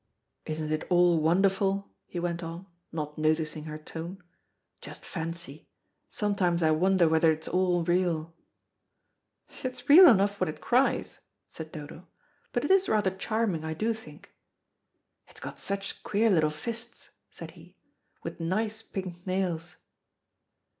"Isn't it all wonderful," he went on, not noticing her tone. "Just fancy. Sometimes I wonder whether it's all real." "It's real enough when it cries," said Dodo. "But it is rather charming, I do think." "It's got such queer little fists," said he, "with nice pink nails."